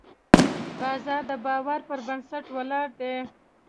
بازار د باور پر بنسټ ولاړ دی.